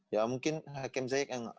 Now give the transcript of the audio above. ya mungkin hakim zeyek yang agak mungkin lebih